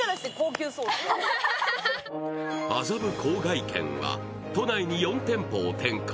麻布笄軒は都内に４店舗を展開。